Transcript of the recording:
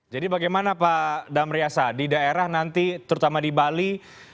jadi bagaimana pak damriasa di daerah nanti terutama di bali